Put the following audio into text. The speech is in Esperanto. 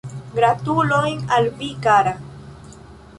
Gratulojn al vi kara.